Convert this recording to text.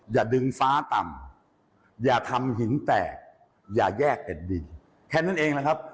อย่าดึงฟ้าต่ำอย่าทำหินแตกอย่าแยกเอ็ดดินแค่นั้นเองนะครับ